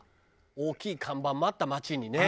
大きい看板もあった街にね。